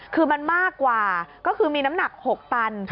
คือมันมากกว่าก็คือมีน้ำหนัก๖ตัน